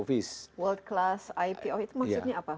world class ipo itu maksudnya apa